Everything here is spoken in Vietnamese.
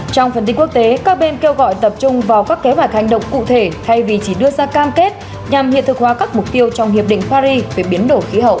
trong phần tin quốc tế các bên kêu gọi tập trung vào các kế hoạch hành động cụ thể thay vì chỉ đưa ra cam kết nhằm hiện thực hóa các mục tiêu trong hiệp định paris về biến đổi khí hậu